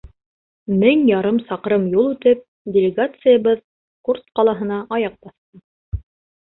Мең ярым саҡрым юл үтеп, делегациябыҙ Курск ҡалаһына аяҡ баҫты.